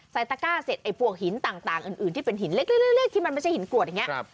ตะก้าเสร็จไอ้พวกหินต่างอื่นที่เป็นหินเล็กที่มันไม่ใช่หินกรวดอย่างนี้